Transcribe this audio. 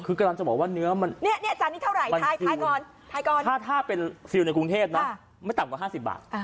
คือกำลังจะบอกว่าเนื้อมันเนี่ยจานนี้เท่าไหร่ก่อนถ้าเป็นฟิลล์ในกรุงเทพนะไม่ต่ำกว่า๕๐บาท